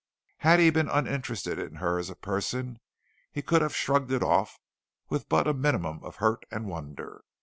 Had he been uninterested in her as a person, he could have shrugged it off with but a minimum of hurt and wonder.